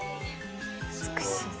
美しい。